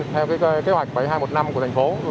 theo kế hoạch bảy nghìn hai trăm một mươi năm của thành phố